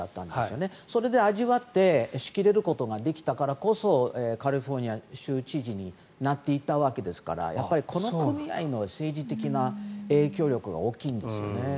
それで、味わって仕切れることができたからこそカリフォルニア州知事になっていったわけですからこの組合の政治的な影響力は大きいんですよね。